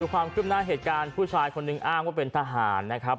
ความขึ้นหน้าเหตุการณ์ผู้ชายคนหนึ่งอ้างว่าเป็นทหารนะครับ